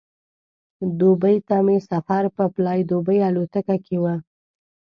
دوبۍ ته مې سفر په فلای دوبۍ الوتکه کې و.